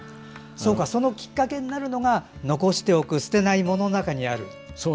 そのきっかけになるのが残しておく捨てない物の中にある。